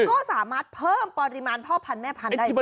ก็สามารถเพิ่มปริมาณพ่อพันธุแม่พันธุ์ได้บ้าง